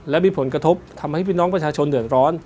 และมีผลกระทบทำให้พี่น้องประชาชนเดือดร้อน